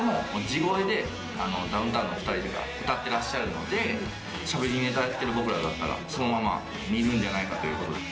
地声でダウンタウンのお２人歌ってらっしゃるのでしゃべりネタやってる僕らだったらそのまま似るんじゃないかということで。